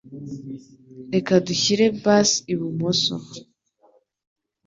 Reka dushyire bass ibumoso.